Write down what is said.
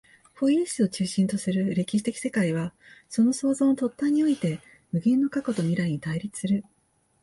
ポイエシスを中心とする歴史的世界は、その創造の尖端において、無限の過去と未来とに対立する。